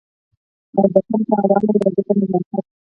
او د فن په حواله يو عجيبه نزاکت